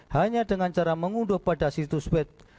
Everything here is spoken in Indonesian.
hanya dengan cara mengunduh pada situs wed